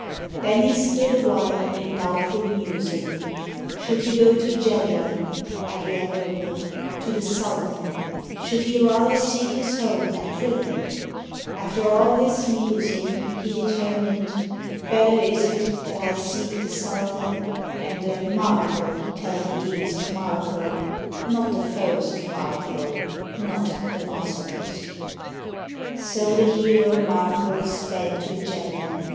Then he stood awhile in doubtful musing; Should he go to Jedren [Adrianople] to the sultan — Should he rather seek his home at Prilip? 417 THE BALKAN STATES After all his musings he determined :— "Better is it that I seek the sultan; And let Marko tell the deeds of Marko — Not the foes of Marko — not the Moslems!" So the hero Marko sped to Jedren.